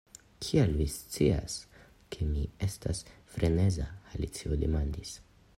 "Kiel vi scias ke mi estas freneza?" Alicio demandis.